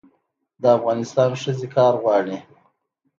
د افغانستان ښځې کار غواړي